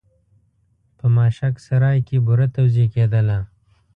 په ماشک سرای کې بوره توزېع کېدله.